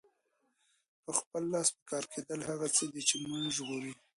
په خپله لاس پکار کیدل هغه څه دي چې مونږ ژغوري.